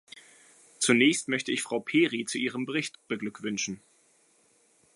Zunächst möchte ich Frau Pery zu ihrem Bericht beglückwünschen.